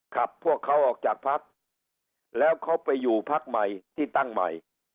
พวกเขาออกจากพักแล้วเขาไปอยู่พักใหม่ที่ตั้งใหม่